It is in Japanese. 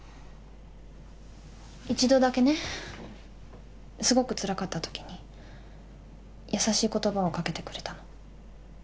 一度だけねすごくつらかったときに優しい言葉を掛けてくれたの。